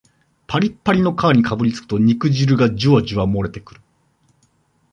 パリパリの皮にかぶりつくと肉汁がジュワジュワもれてくる